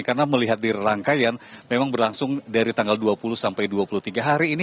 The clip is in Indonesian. karena melihat di rangkaian memang berlangsung dari tanggal dua puluh sampai dua puluh tiga hari ini